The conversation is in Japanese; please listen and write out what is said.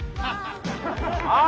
ああ！